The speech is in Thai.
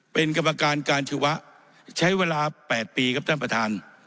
เป็นกรรมการการชีวะใช้เวลา๘ปีครับท่านประธาน